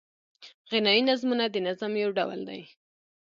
غنايي نظمونه د نظم یو ډول دﺉ.